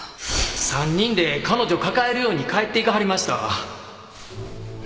３人で彼女抱えるように帰っていかはりましたわ